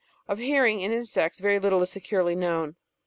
Of hear ing, in insects, very little is securely known.